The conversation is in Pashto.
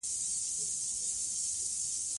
ژبه د پوهې دروازه ده.